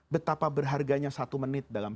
betapa berharganya satu menit dalam